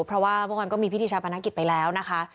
เพราะว่าเมื่อวานก็มีพิธีชาปนกิจไปแล้วนะคะ